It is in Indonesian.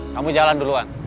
kamu jalan duluan